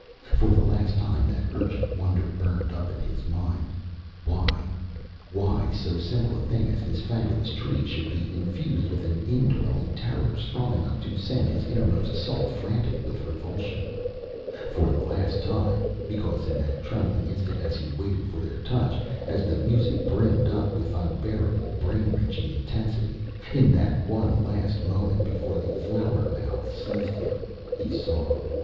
For the last time that urgent wonder burned up in his mind why why so simple a thing as this fabulous Tree should be infused with an indwelling terror strong enough to send his innermost soul frantic with revulsion. For the last time because in that trembling instant as he waited for their touch, as the music brimmed up with unbearable, brain wrenching intensity, in that one last moment before the flower mouths seized him he saw.